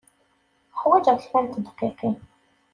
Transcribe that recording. Ḥwajeɣ kra n tedqiqin.